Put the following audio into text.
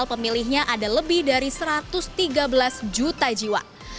pemilihnya ada lebih dari satu ratus tiga belas juta jiwa